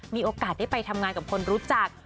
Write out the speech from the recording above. มีโอกาสได้ไปทำงานกับคนรู้จัก